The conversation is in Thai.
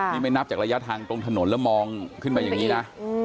นี่ไม่นับจากระยะทางตรงถนนแล้วมองขึ้นมาอย่างนี้นะ